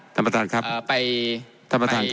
ท่านประตานครับ